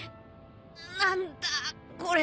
何だこれ？